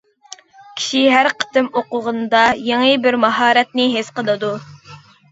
كىشى ھەر قېتىم ئوقۇغىنىدا يېڭى بىر ماھارەتنى ھېس قىلىدۇ.